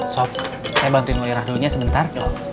sob saya bantuin wairah dulu sebentar